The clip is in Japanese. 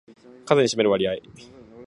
数に占める割合